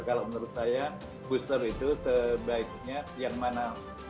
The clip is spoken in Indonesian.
kalau menurut saya booster itu sebaiknya yang mana